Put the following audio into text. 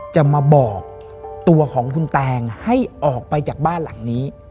จะมาบอกตัวของคุณแตงให้ออกไปจากบ้านหลังนี้